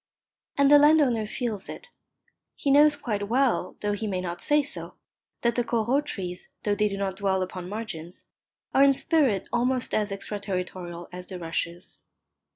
And the landowner feels it. He knows quite well, though he may not say so, that the Corot trees, though they do not dwell upon margins, are in spirit almost as extraterritorial as the rushes.